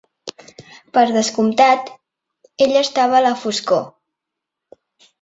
Per descomptat, ella estava a la foscor.